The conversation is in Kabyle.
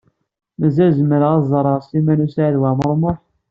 Mazal zemreɣ ad ẓẓareɣ Sliman U Saɛid Waɛmaṛ U Muḥ.